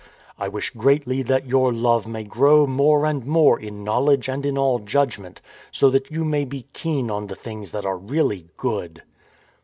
" I wish greatly that your love may grow more and more in knowledge and in all judgment; so that you may be keen on the things that are really good."